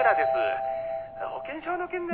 「保険証の件で」